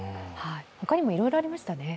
他にもいろいろありましたね。